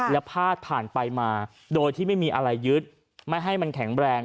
แล้วพาดผ่านไปมาโดยที่ไม่มีอะไรยึดไม่ให้มันแข็งแรง